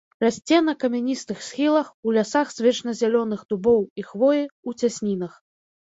Расце на камяністых схілах, у лясах з вечназялёных дубоў і хвоі, у цяснінах.